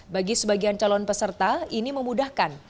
bagi sebagian calon peserta ini memudahkan